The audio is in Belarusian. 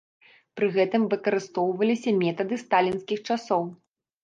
Пры гэтым выкарыстоўваліся метады сталінскіх часоў.